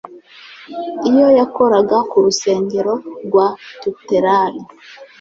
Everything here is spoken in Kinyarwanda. Iyo yakoraga ku rusengero rwa tutelari